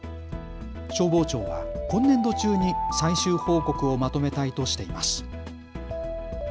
消防庁は今年度中に最終報告をまとめたいとしています。